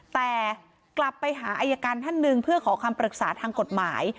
แต่กลับไปหาอายการท่านหนึ่งเพื่อขอคำปรึกษาทางกฎหมาย